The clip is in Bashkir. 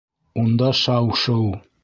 Унда шау-шыу.